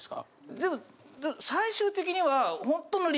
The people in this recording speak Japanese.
でも最終的には。